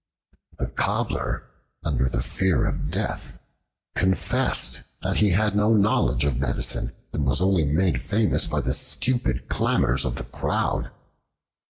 The Cobbler, under the fear of death, confessed that he had no knowledge of medicine, and was only made famous by the stupid clamors of the crowd.